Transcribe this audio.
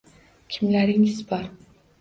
Kimlaringiz bor